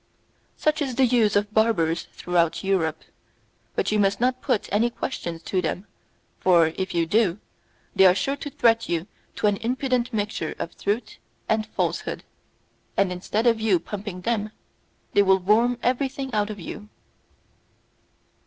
Such is the use of barbers throughout Europe; but you must not put any questions to them, for, if you do, they are sure to treat you to an impudent mixture of truth and falsehood, and instead of you pumping them, they will worm everything out of you.